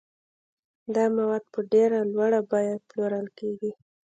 دا مواد په ډېره لوړه بیه پلورل کیږي.